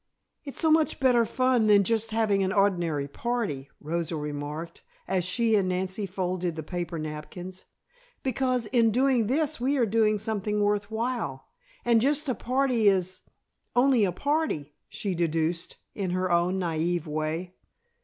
"It's so much better fun than just having an ordinary party," Rosa remarked, as she and Nancy folded the paper napkins, "because in doing this we are doing something worth while, and just a party is only a party," she deduced in her own naive way.